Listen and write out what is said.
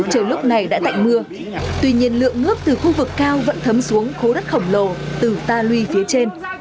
trời lúc này đã tại mưa tuy nhiên lượng ngước từ khu vực cao vẫn thấm xuống khố đất khổng lồ từ ta luy phía trên